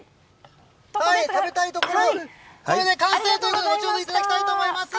食べたいところ、これで完成ということで、後ほど頂きたいと思います。